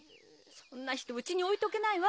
そんな人うちに置いとけないわ。